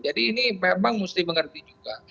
jadi ini memang mesti mengerti juga